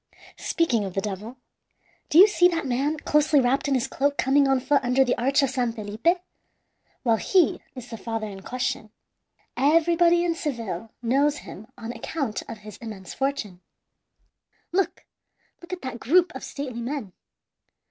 Speaking of the devil do you see that man closely wrapped in his cloak coming on foot under the arch of San Felipe? Well, he is the father in question. Everybody in Seville knows him on account of his immense fortune. "Look look at that group of stately men!